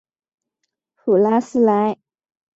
普拉斯莱。